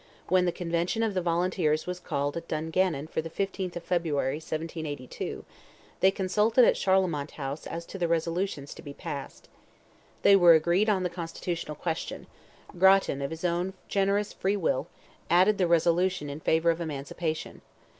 When the convention of the volunteers was called at Dungannon for the 15th of February, 1782, they consulted at Charlemont House as to the resolutions to be passed. They were agreed on the constitutional question; Grattan, of his own generous free will, added the resolution in favour of emancipation.